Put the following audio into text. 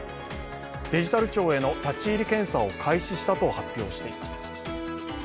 デジタル庁への立入検査を開始したと発表しています。